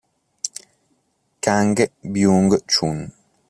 Kang Byung-chun